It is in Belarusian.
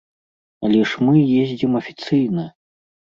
Але ж мы ездзім афіцыйна!